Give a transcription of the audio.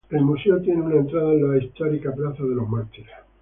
El museo tiene una entrada en la histórica Plaza de los Mártires.